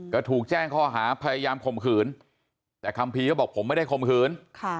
ก็ถูกแจ้งข้อหาพยายามข่มขืนแต่คัมภีร์ก็บอกผมไม่ได้ข่มขืน